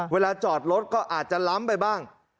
เวลาจอดรถก็อาจจะล้ำไปบ้าง